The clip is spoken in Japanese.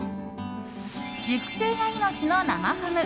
熟成が命の生ハム。